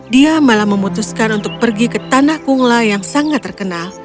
dia malah memutuskan untuk pergi ke tanah kungla yang sangat terkenal